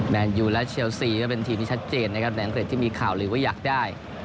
แมนยูและเชียลซีเป็นทีมนี้ชัดเจนในแอนเงินที่มีข่าวเลยว่าอยากได้